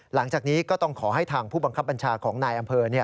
หลังจากนี้ก็ต้องขอให้ทางผู้บังคับบัญชาของนายอำเภอ